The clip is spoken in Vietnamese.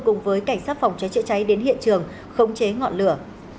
cùng với cảnh sát phòng cháy chữa cháy đến hiện trường khống chế ngọn lửa